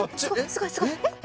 すごいすごいえっ？